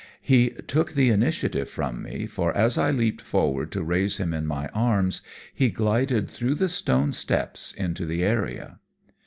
He took the initiative from me, for, as I leaped forward to raise him in my arms, he glided through the stone steps into the area.